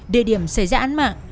địa điểm xảy ra án mạng